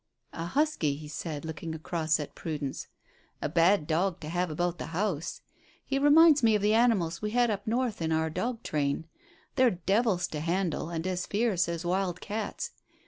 "A husky," he said, looking across at Prudence. "A bad dog to have about the house. He reminds me of the animals we had up north in our dog train. They're devils to handle and as fierce as wild cats.